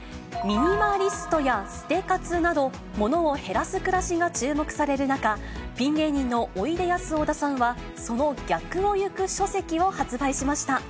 ミニマリストや捨て活など、ものを減らす暮らしが注目される中、ピン芸人のおいでやす小田さんは、その逆をゆく書籍を発売しました。